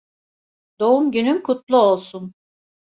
Doğum günün kutlu olsun.